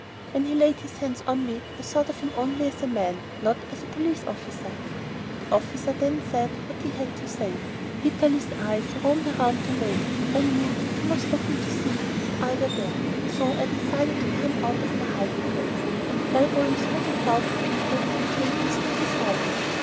"When he laid his hands on me I thought of him only as a man, not as a police officer." The officer then said what he had to say. Vitalis' eyes roamed around the room. I knew that he was looking to see if I were there, so I decided to come out of my hiding place, and elbowing through the crowd of people, I came and stood beside him.